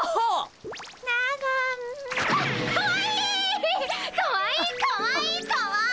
かわいいかわいいかわいい！